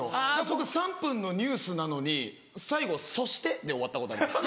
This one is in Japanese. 僕３分のニュースなのに最後「そして」で終わったことあります。